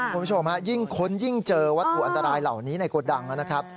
คุณผู้ชมฮะยิ่งค้นยิ่งเจอวัตถุอันตรายเหล่านี้ในโกดังนะครับ